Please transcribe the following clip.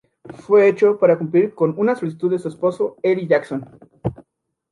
Fue hecho para cumplir con una solicitud de su esposo, Eli Jackson.